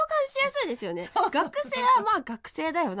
学生はまあ学生だよな。